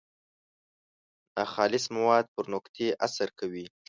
ناخالص مواد پر نقطې اثر کوي.